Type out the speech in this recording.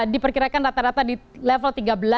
dua ribu enam belas diperkirakan rata rata di level tiga belas